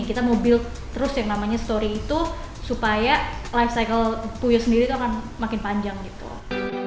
kita mau build terus yang namanya story itu supaya life cycle puyo sendiri akan makin panjang gitu loh